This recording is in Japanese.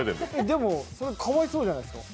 でも、かわいそうじゃないですか。